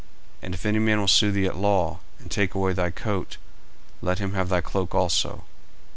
40:005:040 And if any man will sue thee at the law, and take away thy coat, let him have thy cloak also.